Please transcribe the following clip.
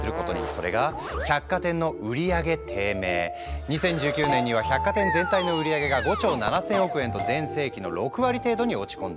それが２０１９年には百貨店全体の売り上げが５兆７，０００億円と全盛期の６割程度に落ち込んだ。